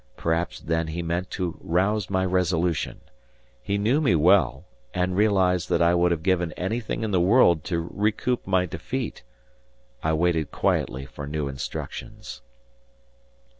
Perhaps then he meant to rouse my resolution. He knew me well; and realized that I would have given anything in the world to recoup my defeat. I waited quietly for new instructions.